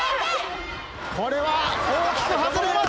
これは大きく外れます。